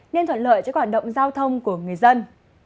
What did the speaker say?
nên thuận lợi cho hoạt động giao thông của người dân